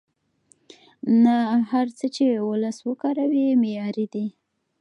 نه هر څه چې وولس وکاروي معیاري دي.